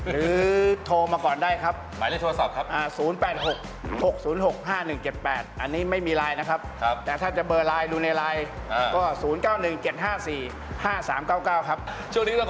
โทรมาก่อนได้ครับหมายเลขโทรศัพท์ครับ